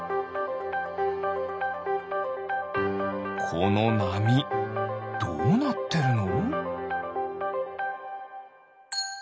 このなみどうなってるの？